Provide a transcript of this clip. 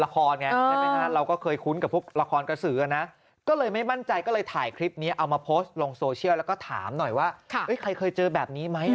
มันใยสายไหมห๊ะโอ๊ถ้ากินน้ำลายต่อกันดิ